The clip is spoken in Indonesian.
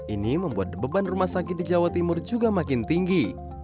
ini membuat beban rumah sakit di jawa timur juga makin tinggi